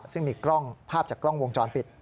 ซึ่งมีกล้องภาพจากกล้องวงจรปิด